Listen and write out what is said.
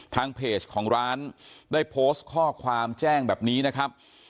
ทางเพจของร้านได้โพสต์ข้อความแจ้งแบบนี้นะครับ